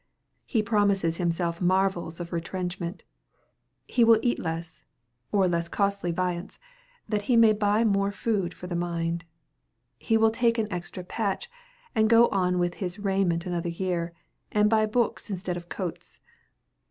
He promises himself marvels of retrenchment; he will eat less, or less costly viands, that he may buy more food for the mind. He will take an extra patch, and go on with his raiment another year, and buy books instead of coats.